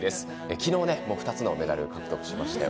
昨日、２つのメダルを獲得しました。